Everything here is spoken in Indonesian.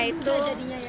tidak ada jadinya ya bu